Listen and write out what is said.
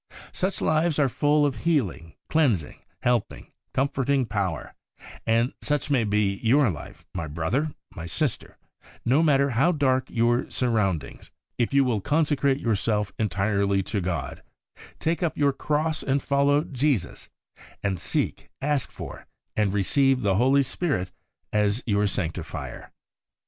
Such lives are full of healing, cleansing, helping, comforting power ; and such may be your life, my brother, my sister, no matter how dark your surroundings, if you will consecrate yourself entirely to God, take up your cross and follow Jesus, and seek, ask for, and receive the Holy Spirit as your Sanctifier.